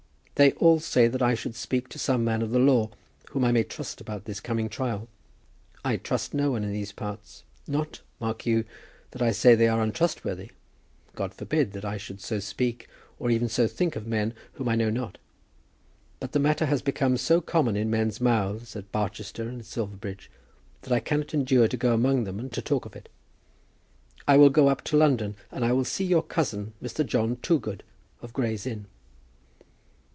They all say that I should speak to some man of the law whom I may trust about this coming trial. I trust no one in these parts. Not, mark you, that I say that they are untrustworthy. God forbid that I should so speak or even so think of men whom I know not. But the matter has become so common in men's mouths at Barchester and at Silverbridge, that I cannot endure to go among them and to talk of it. I will go up to London, and I will see your cousin, Mr. John Toogood, of Gray's Inn."